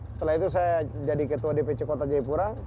setelah itu saya jadi ketua dpc kota jayapura